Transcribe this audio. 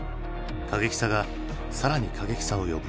過激さが更に過激さを呼ぶ。